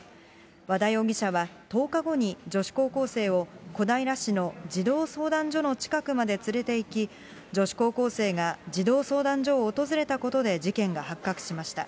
和田容疑者は、１０日後に女子高校生を小平市の児童相談所の近くまで連れていき、女子高校生が児童相談所を訪れたことで事件が発覚しました。